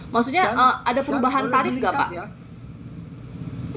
maksudnya ada perubahan tarif nggak pak